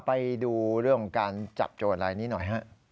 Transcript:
ไปดูเรื่องของการจับโจทย์ภาคละนี่หน่อย